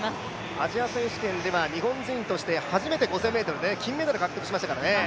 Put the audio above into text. アジア選手権では日本人として初めて５０００ｍで金メダル獲得しましたからね。